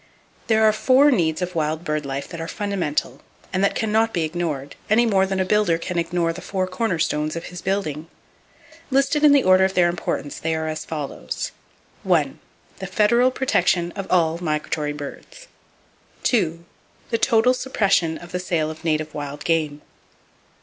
There are four needs of wild bird life that are fundamental, and that can not be ignored, any more than a builder can ignore the four cornerstones of his building. Listed in the order of their importance, they are as follows: —The federal protection of all migratory birds. —The total suppression of the sale of native wild game.